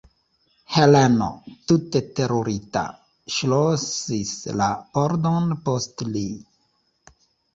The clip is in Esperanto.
Heleno, tute terurita, ŝlosis la pordon post li.